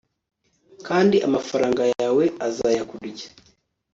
Kandi amafaranga yawe azayakurya